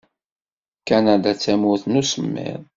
Kanada d tamurt n usemmiḍ.